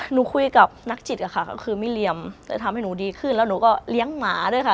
หนูคุยกับนักจิตอะค่ะก็คือไม่เรียมแต่ทำให้หนูดีขึ้นแล้วหนูก็เลี้ยงหมาด้วยค่ะ